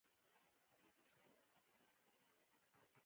تاریخ د ظالم او مظلوم تر منځ توپير کوي.